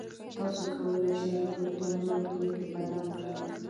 تاسو کولای شئ د پښتو راتلونکی بدل کړئ.